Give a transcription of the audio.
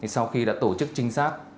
sau khi đã tổ chức trinh sát